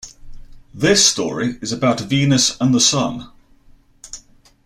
This story is about Venus and the Sun.